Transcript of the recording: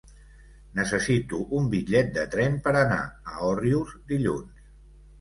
Necessito un bitllet de tren per anar a Òrrius dilluns.